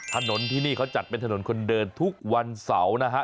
ถนนที่นี่เขาจัดเป็นถนนคนเดินทุกวันเสาร์นะฮะ